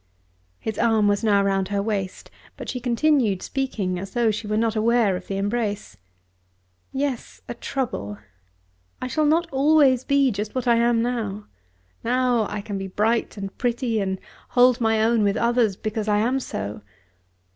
His arm was now round her waist, but she continued speaking as though she were not aware of the embrace. "Yes, a trouble! I shall not be always just what I am now. Now I can be bright and pretty and hold my own with others because I am so.